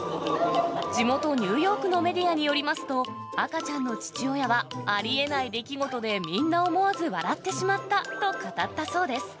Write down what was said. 地元ニューヨークのメディアによりますと、赤ちゃんの父親は、ありえない出来事で、みんな思わず笑ってしまったと語ったそうです。